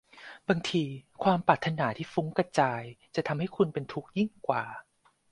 บางทีความปรารถนาที่ฟุ้งกระจายจะทำให้คุณเป็นทุกข์ยิ่งกว่า